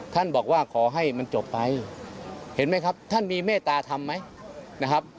ท่านบอกว่าขอให้มันจบไปเห็นไหมครับท่านมีเมตตาธรรมไหมนะครับ